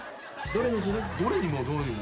どれにもどうにも。